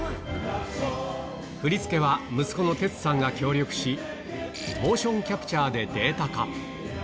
振り付けは、息子のてつさんが協力し、モーションキャプチャーでデータ化。